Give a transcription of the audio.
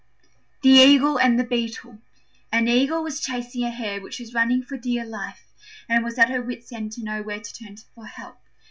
THE EAGLE AND THE BEETLE An Eagle was chasing a hare, which was running for dear life and was at her wits' end to know where to turn for help.